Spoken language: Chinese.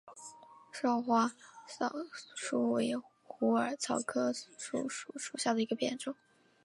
少花溲疏为虎耳草科溲疏属下的一个变种。